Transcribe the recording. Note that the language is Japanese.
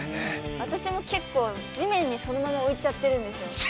私も結構地面にそのまま置いちゃってるんですよ。